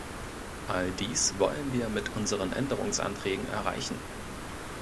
All dies wollen wir mit unseren Änderungsanträgen erreichen.